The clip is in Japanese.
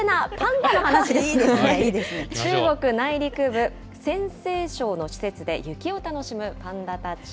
中国内陸部、陝西省の施設で雪を楽しむパンダたち。